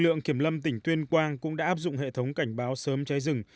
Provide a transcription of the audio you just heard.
lực lượng kiểm lâm tỉnh tuyên quang cũng đã áp dụng hệ thống cảnh báo sớm cháy rừng